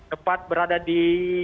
tepat berada di